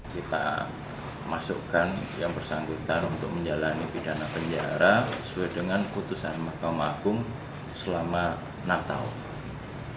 kita masukkan yang bersangkutan untuk menjalani pidana penjara sesuai dengan putusan mahkamah agung selama enam tahun